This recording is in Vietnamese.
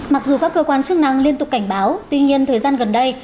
mặc dù các cơ quan chức năng liên tục cảnh báo tuy nhiên thời gian gần đây